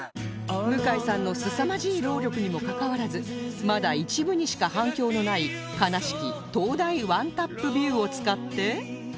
向井さんのすさまじい労力にもかかわらずまだ一部にしか反響のない悲しき灯台 ＯＮＥ タップビューを使って